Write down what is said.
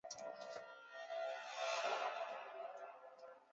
尖尾弄蝶属是弄蝶科竖翅弄蝶亚科中的一个属。